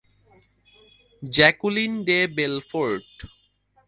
Jacqueline de বেলফোর্ট।